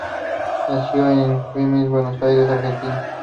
Nació en Quilmes, Buenos Aires, Argentina.